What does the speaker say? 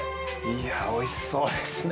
いや美味しそうですね。